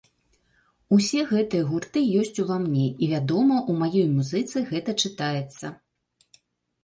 Усе гэтыя гурты ёсць у ва мне і, вядома, у маёй музыцы гэта чытаецца.